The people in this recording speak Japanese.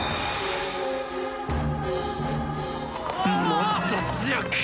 もっと強く！